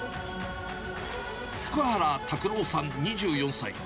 福原拓朗さん２４歳。